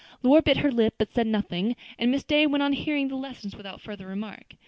Lora bit her lip, but said nothing, and Miss Day went on hearing the lessons without further remark.